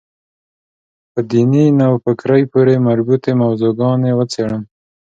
په دیني نوفکرۍ پورې مربوطې موضوع ګانې وڅېړم.